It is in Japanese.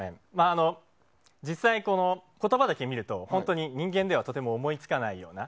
実際、言葉だけ見ると本当に人間ではとても思いつかないような。